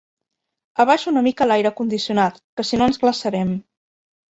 Abaixa una mica l'aire condicionat, que si no ens glaçarem.